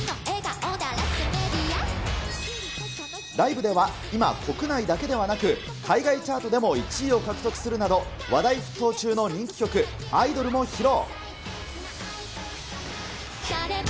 ライブでは今、国内だけではなく海外チャートでも１位を獲得するなど、話題沸騰中の人気曲、アイドルも披露。